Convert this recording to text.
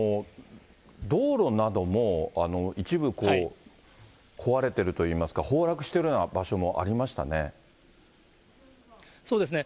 道路なども一部、壊れてるといいますか、崩落しているようなそうですね。